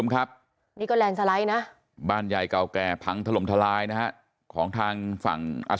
คนนี้ก็แลนซ์ไลน์นะ